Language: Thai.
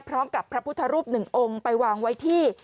พร้อมกับพระพุทธรูปหนึ่งองค์ไปวางไว้ที่